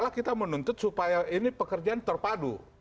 kita menuntut supaya ini pekerjaan terpadu